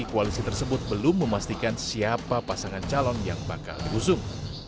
koalisi tersebut belum memastikan siapa pasangan calon yang bakal diusung